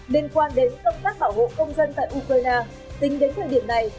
liên quan đến công tác bảo hộ công dân tại ukraine tính đến thời điểm này